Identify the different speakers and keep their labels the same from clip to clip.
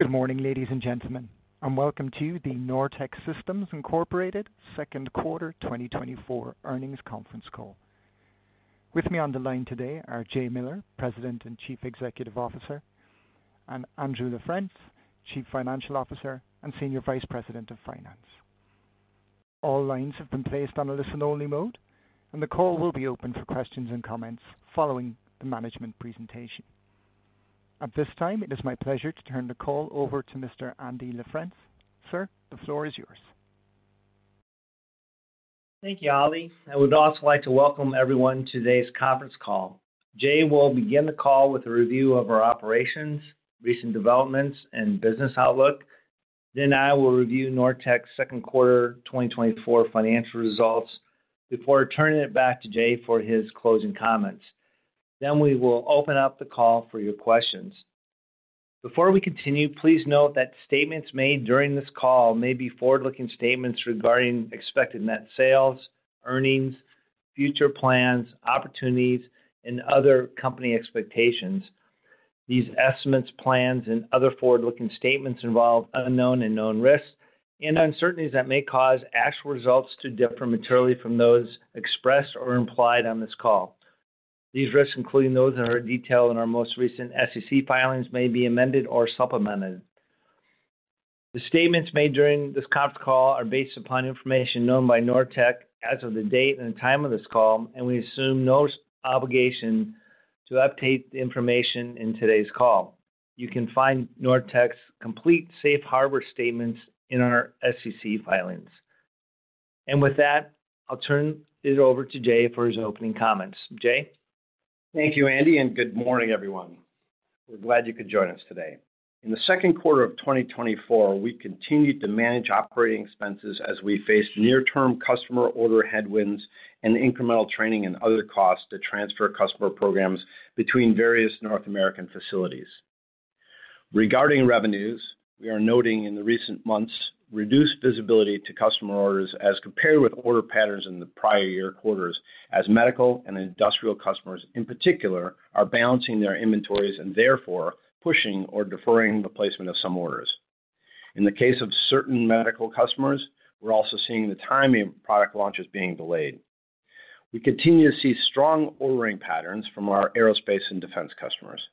Speaker 1: Good morning, ladies and gentlemen, and welcome to the Nortech Systems Incorporated second quarter 2024 earnings conference call. With me on the line today are Jay Miller, President and Chief Executive Officer, and Andrew LaFrence, Chief Financial Officer and Senior Vice President of Finance. All lines have been placed on a listen-only mode, and the call will be open for questions and comments following the management presentation. At this time, it is my pleasure to turn the call over to Mr. Andy LaFrence. Sir, the floor is yours.
Speaker 2: Thank you, Ali. I would also like to welcome everyone to today's conference call. Jay will begin the call with a review of our operations, recent developments, and business outlook. Then I will review Nortech's second quarter 2024 financial results before turning it back to Jay for his closing comments. Then we will open up the call for your questions. Before we continue, please note that statements made during this call may be forward-looking statements regarding expected net sales, earnings, future plans, opportunities, and other company expectations. These estimates, plans, and other forward-looking statements involve unknown and known risks and uncertainties that may cause actual results to differ materially from those expressed or implied on this call. These risks, including those detailed in our most recent SEC filings, may be amended or supplemented. The statements made during this conference call are based upon information known by Nortech as of the date and time of this call, and we assume no obligation to update the information in today's call. You can find Nortech's complete safe harbor statements in our SEC filings. With that, I'll turn it over to Jay for his opening comments. Jay?
Speaker 3: Thank you, Andy, and good morning, everyone. We're glad you could join us today. In the second quarter of 2024, we continued to manage operating expenses as we faced near-term customer order headwinds and incremental training and other costs to transfer customer programs between various North American facilities. Regarding revenues, we are noting in the recent months reduced visibility to customer orders as compared with order patterns in the prior year quarters, as medical and industrial customers, in particular, are balancing their inventories and therefore pushing or deferring the placement of some orders. In the case of certain medical customers, we're also seeing the timing of product launches being delayed. We continue to see strong ordering patterns from our aerospace and defense customers.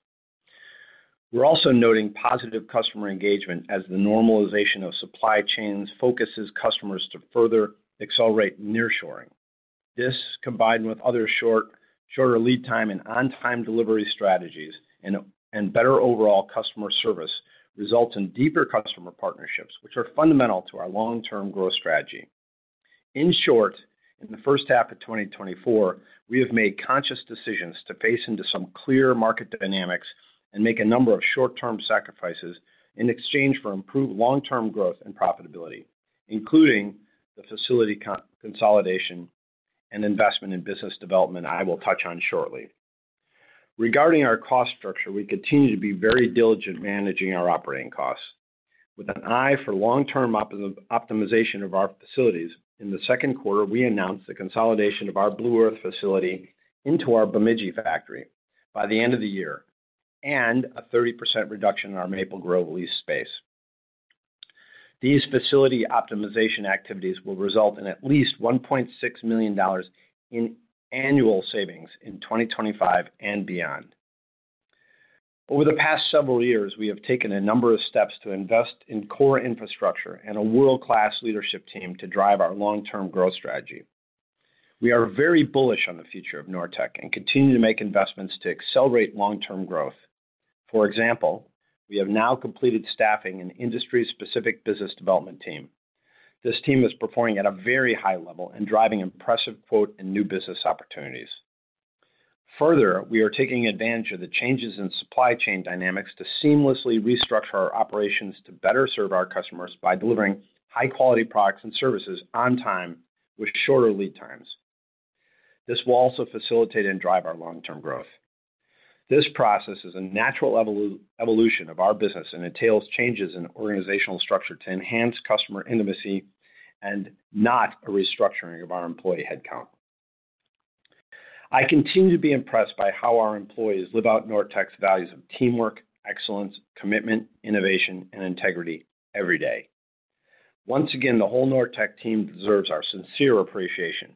Speaker 3: We're also noting positive customer engagement as the normalization of supply chains focuses customers to further accelerate nearshoring. This, combined with other shorter lead time and on-time delivery strategies and better overall customer service, results in deeper customer partnerships, which are fundamental to our long-term growth strategy. In short, in the first half of 2024, we have made conscious decisions to face into some clear market dynamics and make a number of short-term sacrifices in exchange for improved long-term growth and profitability, including the facility consolidation and investment in business development I will touch on shortly. Regarding our cost structure, we continue to be very diligent managing our operating costs. With an eye for long-term optimization of our facilities, in the second quarter, we announced the consolidation of our Blue Earth facility into our Bemidji factory by the end of the year, and a 30% reduction in our Maple Grove lease space. These facility optimization activities will result in at least $1.6 million in annual savings in 2025 and beyond. Over the past several years, we have taken a number of steps to invest in core infrastructure and a world-class leadership team to drive our long-term growth strategy. We are very bullish on the future of Nortech and continue to make investments to accelerate long-term growth. For example, we have now completed staffing an industry-specific business development team. This team is performing at a very high level and driving impressive quote and new business opportunities. Further, we are taking advantage of the changes in supply chain dynamics to seamlessly restructure our operations to better serve our customers by delivering high-quality products and services on time with shorter lead times. This will also facilitate and drive our long-term growth. This process is a natural evolution of our business and entails changes in organizational structure to enhance customer intimacy and not a restructuring of our employee headcount. I continue to be impressed by how our employees live out Nortech's values of teamwork, excellence, commitment, innovation, and integrity every day. Once again, the whole Nortech team deserves our sincere appreciation.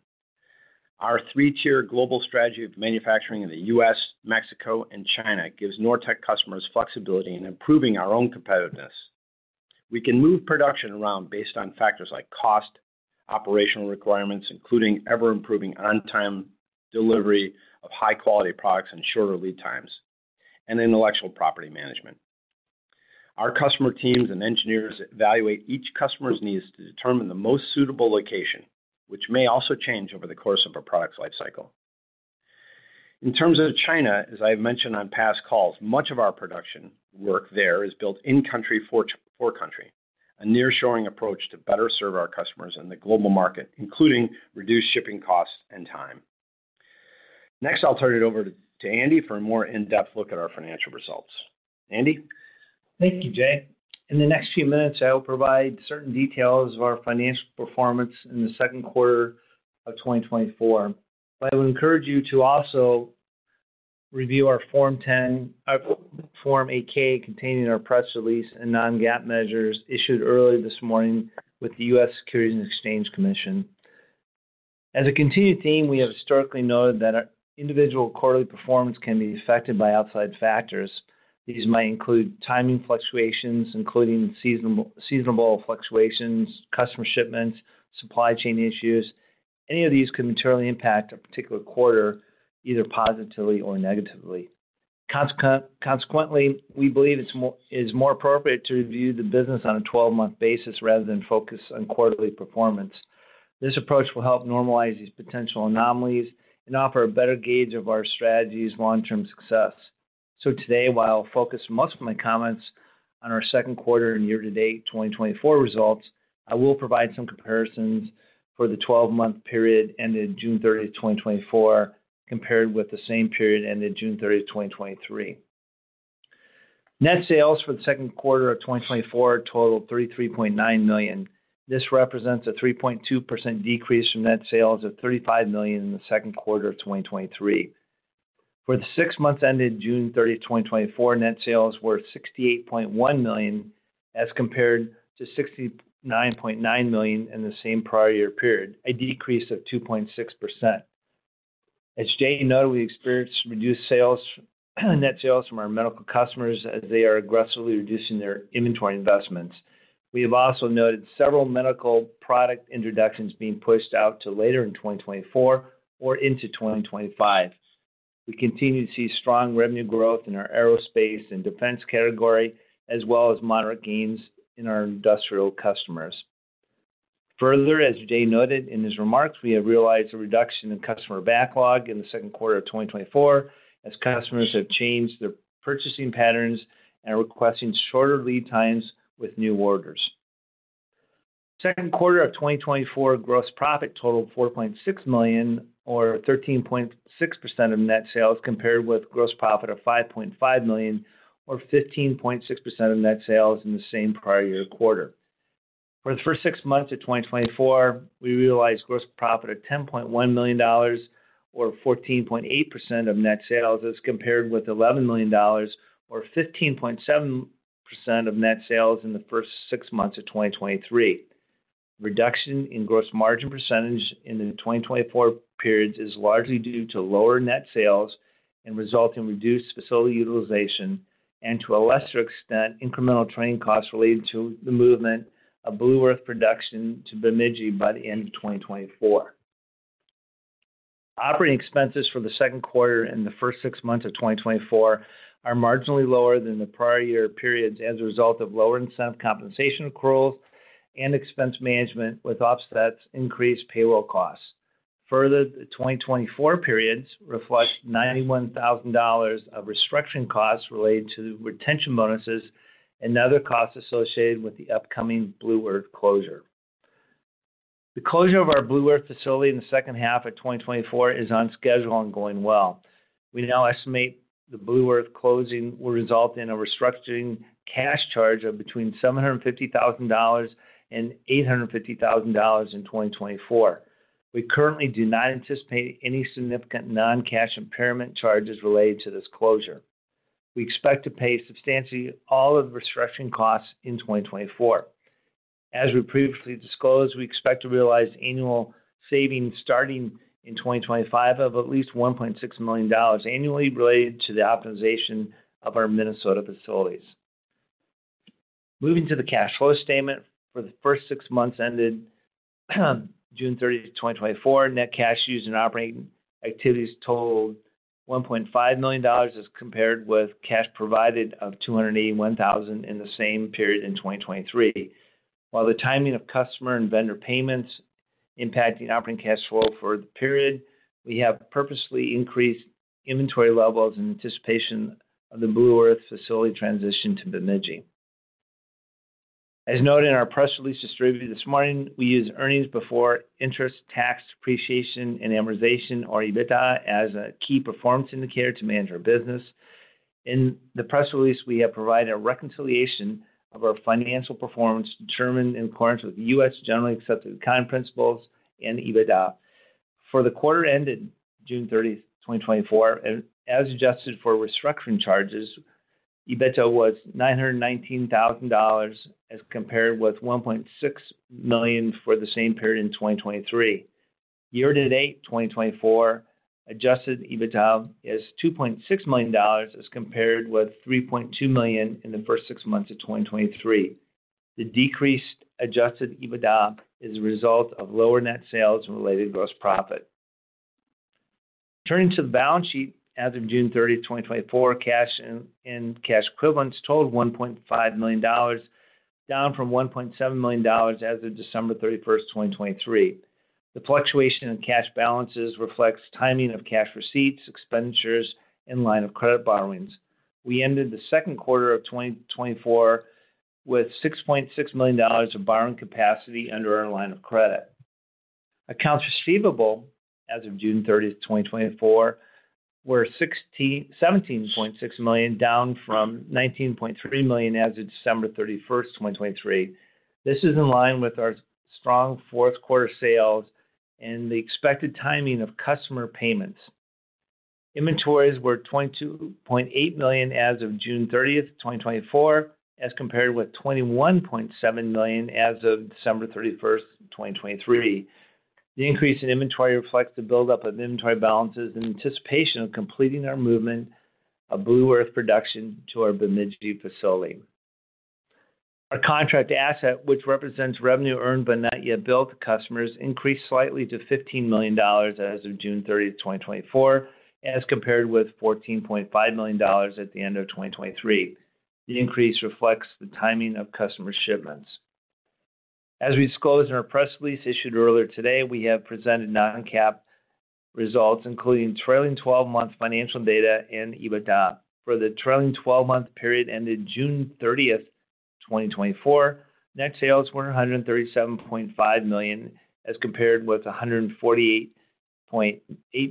Speaker 3: Our three-tier global strategy of manufacturing in the U.S., Mexico, and China gives Nortech customers flexibility in improving our own competitiveness. We can move production around based on factors like cost, operational requirements, including ever-improving on-time delivery of high-quality products and shorter lead times, and intellectual property management. Our customer teams and engineers evaluate each customer's needs to determine the most suitable location, which may also change over the course of a product's life cycle. In terms of China, as I've mentioned on past calls, much of our production work there is built in country for country, a nearshoring approach to better serve our customers in the global market, including reduced shipping costs and time. Next, I'll turn it over to Andy for a more in-depth look at our financial results. Andy?
Speaker 2: Thank you, Jay. In the next few minutes, I will provide certain details of our financial performance in the second quarter of 2024. But I would encourage you to also review our Form 10-Q, our Form 8-K containing our press release and non-GAAP measures issued earlier this morning with the U.S. Securities and Exchange Commission. As a continued theme, we have historically noted that our individual quarterly performance can be affected by outside factors. These might include timing fluctuations, including seasonable fluctuations, customer shipments, supply chain issues. Any of these can materially impact a particular quarter, either positively or negatively. Consequently, we believe it is more appropriate to review the business on a 12-month basis, rather than focus on quarterly performance. This approach will help normalize these potential anomalies and offer a better gauge of our strategy's long-term success. So today, while I'll focus most of my comments on our second quarter and year-to-date 2024 results, I will provide some comparisons for the twelve-month period ended June 30, 2024, compared with the same period ended June 30, 2023. Net sales for the second quarter of 2024 totaled $33.9 million. This represents a 3.2% decrease from net sales of $35 million in the second quarter of 2023. For the six months ended June 30, 2024, net sales were $68.1 million, as compared to $69.9 million in the same prior year period, a decrease of 2.6%. As Jay noted, we experienced reduced sales, net sales from our medical customers as they are aggressively reducing their inventory investments. We have also noted several medical product introductions being pushed out to later in 2024 or into 2025. We continue to see strong revenue growth in our aerospace and defense category, as well as moderate gains in our industrial customers. Further, as Jay noted in his remarks, we have realized a reduction in customer backlog in the second quarter of 2024, as customers have changed their purchasing patterns and are requesting shorter lead times with new orders. Second quarter of 2024, gross profit totaled $4.6 million, or 13.6% of net sales, compared with gross profit of $5.5 million, or 15.6% of net sales in the same prior year quarter. For the first six months of 2024, we realized gross profit of $10.1 million, or 14.8% of net sales, as compared with $11 million, or 15.7% of net sales in the first six months of 2023. Reduction in gross margin percentage in the 2024 periods is largely due to lower net sales and result in reduced facility utilization, and to a lesser extent, incremental training costs related to the movement of Blue Earth production to Bemidji by the end of 2024. Operating expenses for the second quarter and the first six months of 2024 are marginally lower than the prior year periods as a result of lower incentive compensation accruals and expense management, with offsets increased payroll costs. Further, the 2024 periods reflect $91,000 of restructuring costs related to retention bonuses and other costs associated with the upcoming Blue Earth closure. The closure of our Blue Earth facility in the second half of 2024 is on schedule and going well. We now estimate the Blue Earth closing will result in a restructuring cash charge of between $750,000 and $850,000 in 2024. We currently do not anticipate any significant non-cash impairment charges related to this closure. We expect to pay substantially all of the restructuring costs in 2024. As we previously disclosed, we expect to realize annual savings starting in 2025 of at least $1.6 million annually related to the optimization of our Minnesota facilities. Moving to the cash flow statement. For the first six months ended June 30, 2024, net cash used in operating activities totaled $1.5 million, as compared with cash provided of $281,000 in the same period in 2023. While the timing of customer and vendor payments impacting operating cash flow for the period, we have purposely increased inventory levels in anticipation of the Blue Earth facility transition to Bemidji. As noted in our press release distributed this morning, we use earnings before interest, taxes, depreciation, and amortization, or EBITDA, as a key performance indicator to manage our business. In the press release, we have provided a reconciliation of our financial performance, determined in accordance with U.S. generally accepted accounting principles and EBITDA. For the quarter ended June 30, 2024, and as adjusted for restructuring charges, EBITDA was $919,000, as compared with $1.6 million for the same period in 2023. Year-to-date, 2024, adjusted EBITDA is $2.6 million, as compared with $3.2 million in the first six months of 2023. The decreased adjusted EBITDA is a result of lower net sales and related gross profit. Turning to the balance sheet. As of June 30, 2024, cash and cash equivalents totaled $1.5 million, down from $1.7 million as of December 31, 2023. The fluctuation in cash balances reflects timing of cash receipts, expenditures, and line of credit borrowings. We ended the second quarter of 2024 with $6.6 million of borrowing capacity under our line of credit. Accounts receivable as of June 30, 2024, were $17.6 million, down from $19.3 million as of December 31, 2023. This is in line with our strong fourth quarter sales and the expected timing of customer payments. Inventories were $22.8 million as of June 30, 2024, as compared with $21.7 million as of December 31, 2023. The increase in inventory reflects the buildup of inventory balances in anticipation of completing our movement of Blue Earth production to our Bemidji facility. Our contract asset, which represents revenue earned but not yet billed to customers, increased slightly to $15 million as of June 30, 2024, as compared with $14.5 million at the end of 2023. The increase reflects the timing of customer shipments. As we disclosed in our press release issued earlier today, we have presented non-GAAP results, including trailing twelve-month financial data and EBITDA. For the trailing twelve-month period ended June 30, 2024, net sales were $137.5 million, as compared with $148.8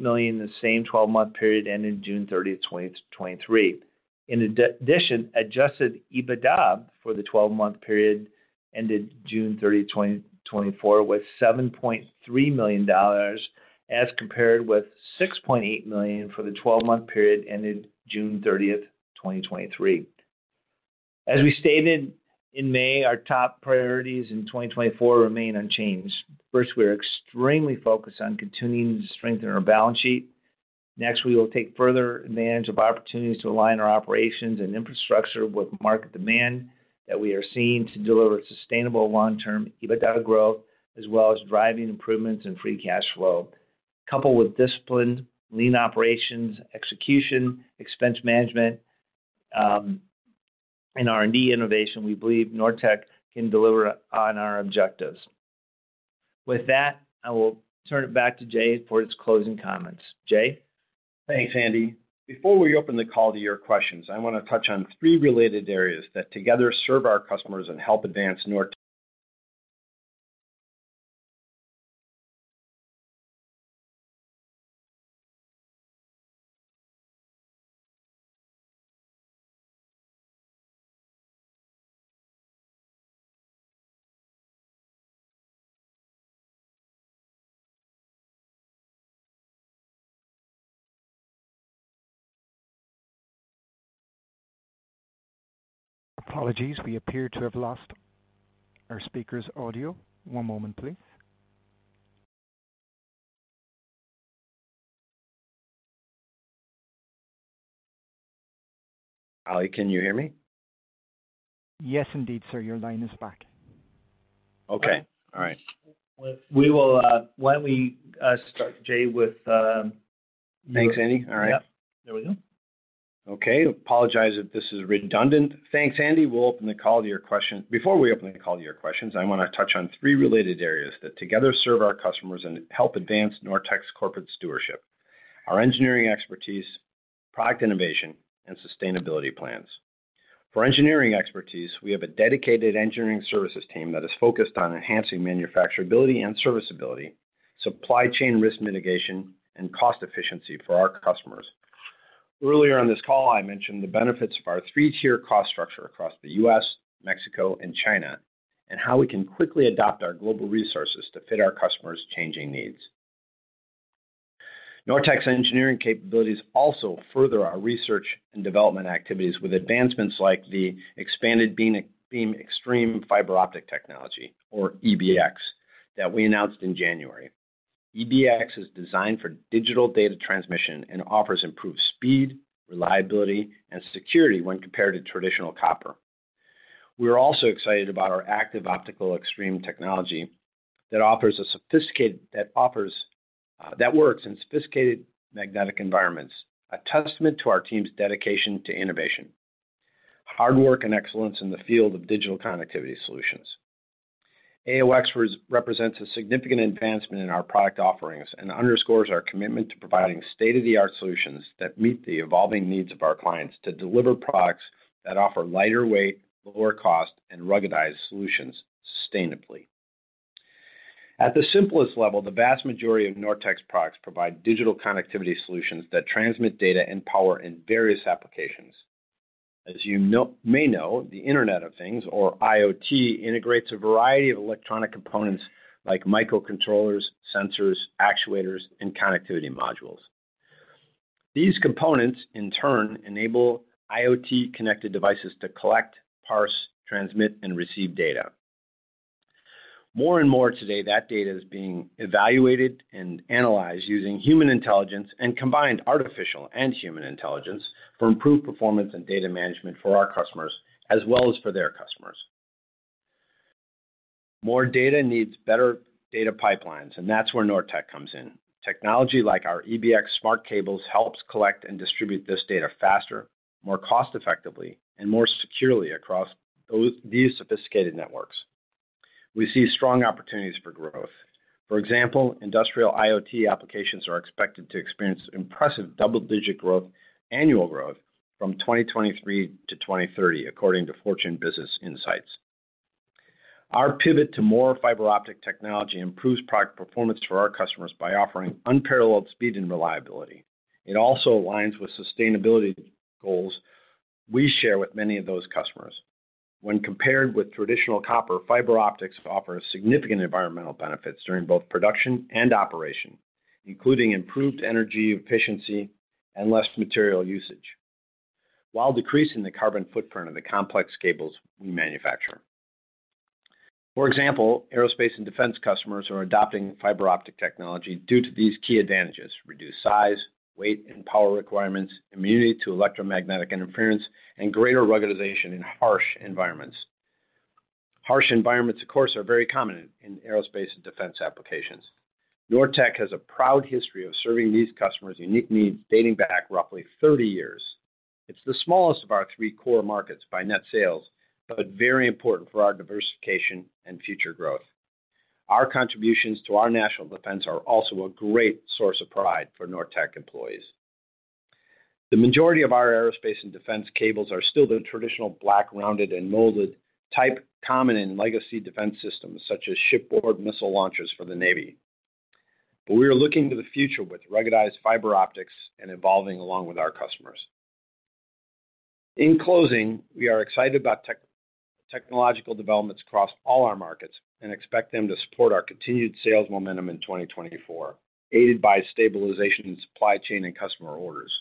Speaker 2: million in the same twelve-month period ended June 30, 2023. In addition, adjusted EBITDA for the twelve-month period ended June 30, 2024, was $7.3 million, as compared with $6.8 million for the twelve-month period ended June 30, 2023. As we stated in May, our top priorities in 2024 remain unchanged. First, we are extremely focused on continuing to strengthen our balance sheet. Next, we will take further advantage of opportunities to align our operations and infrastructure with market demand that we are seeing to deliver sustainable long-term EBITDA growth, as well as driving improvements in free cash flow. Coupled with disciplined lean operations, execution, expense management, and R&D innovation, we believe Nortech can deliver on our objectives. With that, I will turn it back to Jay for his closing comments. Jay?
Speaker 3: Thanks, Andy. Before we open the call to your questions, I want to touch on three related areas that together serve our customers and help advance Nortech.
Speaker 1: Apologies, we appear to have lost our speaker's audio. One moment, please.
Speaker 3: Ali, can you hear me?
Speaker 1: Yes, indeed, sir. Your line is back.
Speaker 3: Okay, all right.
Speaker 2: Why don't we start, Jay, with
Speaker 3: Thanks, Andy. All right.
Speaker 2: Yep, there we go.
Speaker 3: Okay. Apologize if this is redundant. Thanks, Andy. We'll open the call to your question. Before we open the call to your questions, I want to touch on three related areas that together serve our customers and help advance Nortech's corporate stewardship: our engineering expertise, product innovation, and sustainability plans. For engineering expertise, we have a dedicated engineering services team that is focused on enhancing manufacturability and serviceability, supply chain risk mitigation, and cost efficiency for our customers. Earlier on this call, I mentioned the benefits of our three-tier cost structure across the US, Mexico, and China, and how we can quickly adopt our global resources to fit our customers' changing needs. Nortech's engineering capabilities also further our research and development activities, with advancements like the Expanded Beam, Beam Xtreme Fiber Optic Technology, or EBX, that we announced in January. EBX is designed for digital data transmission and offers improved speed, reliability, and security when compared to traditional copper. We're also excited about our Active Optical Xtreme technology that works in sophisticated magnetic environments, a testament to our team's dedication to innovation, hard work, and excellence in the field of digital connectivity solutions. AOX represents a significant advancement in our product offerings and underscores our commitment to providing state-of-the-art solutions that meet the evolving needs of our clients, to deliver products that offer lighter weight, lower cost, and ruggedized solutions sustainably. At the simplest level, the vast majority of Nortech's products provide digital connectivity solutions that transmit data and power in various applications. As you may know, the Internet of Things, or IoT, integrates a variety of electronic components like microcontrollers, sensors, actuators, and connectivity modules. These components, in turn, enable IoT-connected devices to collect, parse, transmit, and receive data. More and more today, that data is being evaluated and analyzed using human intelligence and combined artificial and human intelligence for improved performance and data management for our customers, as well as for their customers. More data needs better data pipelines, and that's where Nortech comes in. Technology like our EBX smart cables helps collect and distribute this data faster, more cost-effectively, and more securely across those, these sophisticated networks. We see strong opportunities for growth. For example, industrial IoT applications are expected to experience impressive double-digit growth, annual growth from 2023 to 2030, according to Fortune Business Insights. Our pivot to more fiber optic technology improves product performance for our customers by offering unparalleled speed and reliability. It also aligns with sustainability goals we share with many of those customers.... When compared with traditional copper, fiber optics offer significant environmental benefits during both production and operation, including improved energy efficiency and less material usage, while decreasing the carbon footprint of the complex cables we manufacture. For example, aerospace and defense customers are adopting fiber optic technology due to these key advantages: reduced size, weight, and power requirements, immunity to electromagnetic interference, and greater ruggedization in harsh environments. Harsh environments, of course, are very common in aerospace and defense applications. Nortech has a proud history of serving these customers' unique needs, dating back roughly 30 years. It's the smallest of our 3 core markets by net sales, but very important for our diversification and future growth. Our contributions to our national defense are also a great source of pride for Nortech employees. The majority of our aerospace and defense cables are still the traditional black, rounded, and molded type, common in legacy defense systems, such as shipboard missile launchers for the Navy. But we are looking to the future with ruggedized fiber optics and evolving along with our customers. In closing, we are excited about technological developments across all our markets and expect them to support our continued sales momentum in 2024, aided by stabilization in supply chain and customer orders.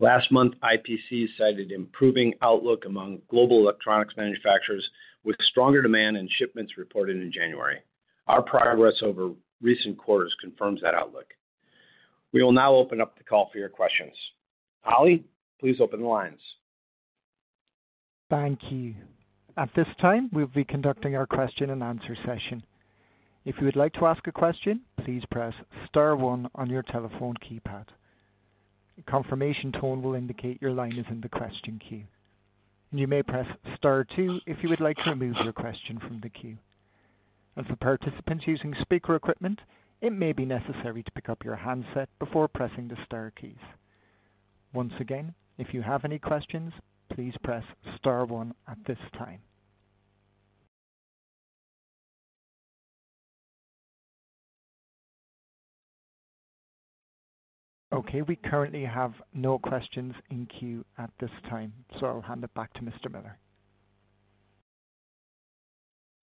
Speaker 3: Last month, IPC cited improving outlook among global electronics manufacturers with stronger demand and shipments reported in January. Our progress over recent quarters confirms that outlook. We will now open up the call for your questions. Ali, please open the lines.
Speaker 1: Thank you. At this time, we'll be conducting our question-and-answer session. If you would like to ask a question, please press star one on your telephone keypad. A confirmation tone will indicate your line is in the question queue. You may press star two if you would like to remove your question from the queue. For participants using speaker equipment, it may be necessary to pick up your handset before pressing the star keys. Once again, if you have any questions, please press star one at this time. Okay, we currently have no questions in queue at this time, so I'll hand it back to Mr. Miller.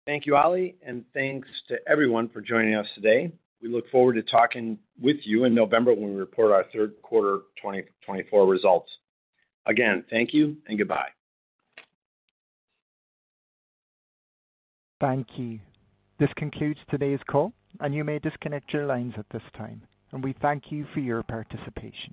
Speaker 3: Thank you, Ali, and thanks to everyone for joining us today. We look forward to talking with you in November when we report our third quarter 2024 results. Again, thank you and goodbye.
Speaker 1: Thank you. This concludes today's call, and you may disconnect your lines at this time, and we thank you for your participation.